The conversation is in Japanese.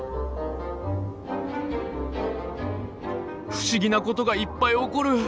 不思議なことがいっぱい起こる！